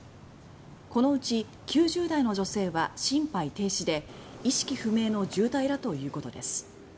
このうち９０代の女性は心肺停止で意識不明の重体だということです